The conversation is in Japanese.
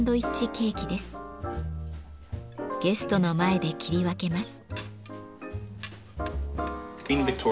ゲストの前で切り分けます。